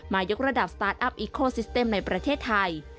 ยกระดับสตาร์ทอัพอิโคซิสเต็มในประเทศไทย